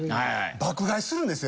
爆買いするんですよ。